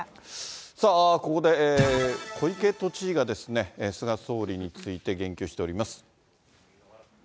ここで、小池都知事が菅総理について言及しております。